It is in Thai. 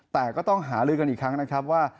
แต่ก็ต้องหาลือกันอีกครั้งนะครับว่า